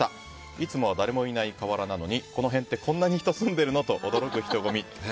いつもは誰もいない河原なのにこの辺ってこんなに人住んでいるの？と驚く人混み。